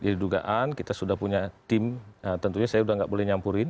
jadi dugaan kita sudah punya tim tentunya saya sudah tidak boleh menyampurin